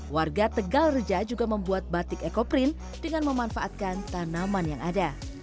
warga tegal reja juga membuat batik ekoprint dengan memanfaatkan tanaman yang ada